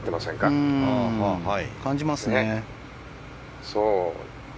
そう感じますね。